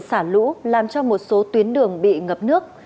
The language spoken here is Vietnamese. xả lũ làm cho một số tuyến đường bị ngập nước